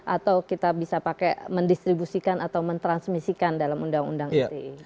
atau kita bisa pakai mendistribusikan atau mentransmisikan dalam undang undang ite